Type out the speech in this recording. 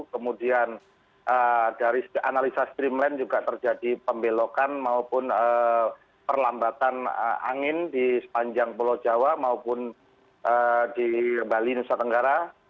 kemudian dari analisa streamland juga terjadi pembelokan maupun perlambatan angin di sepanjang pulau jawa maupun di bali nusa tenggara